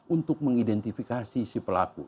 untuk mengidentifikasi si pelaku